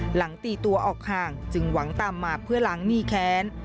หลังตีตัวออกห่างจึงหวังตามมาเพื่อล้างหนี้แค้น